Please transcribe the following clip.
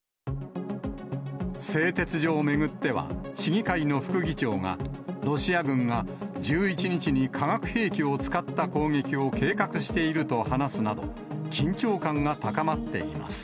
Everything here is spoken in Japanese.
製鉄所を巡っては、市議会の副議長が、ロシア軍が１１日に化学兵器を使った攻撃を計画していると話すなど、緊張感が高まっています。